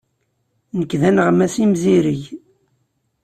Nekk d aneɣmas imzireg.